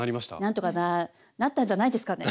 なんとかなったんじゃないですかね。